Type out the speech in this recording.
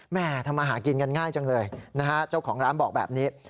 แม่ทำมาหากินกันง่ายจังเลยนะฮะเจ้าของร้านบอกแบบนี้